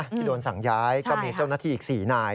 ที่โดนสั่งย้ายก็มีเจ้าหน้าที่อีก๔นาย